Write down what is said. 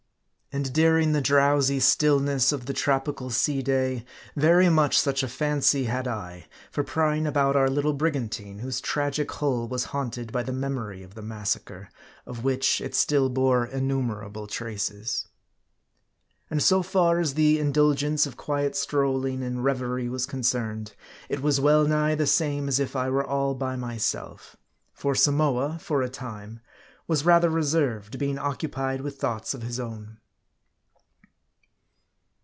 And during the drowsy stillness of the tropical sea day, very much such a fancy had I, for prying about our little brigantine, whose tragic hull was haunted by the memory of the massacre, of which it still bore innumerable traces. And so far as the indulgence of quiet strolling and reverie was concerned, it was well nigh the same as if I were all by myself. For Samoa, for a time, was rather reserved, being occupied with thoughts of his own.